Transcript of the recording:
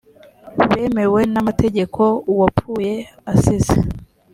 bemewe n amategeko uwapfuye asize